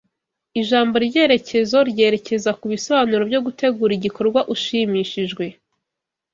Ijambo ryerekezo ryerekeza kubisobanuro byo gutegura igikorwa ushimishijwe